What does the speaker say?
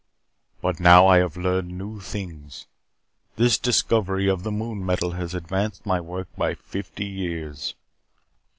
But now I have learned new things. This discovery of the Moon Metal has advanced my work by fifty years.